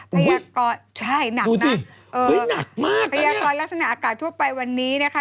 พยากรใช่หนักนะเออหนักมากพยากรลักษณะอากาศทั่วไปวันนี้นะคะ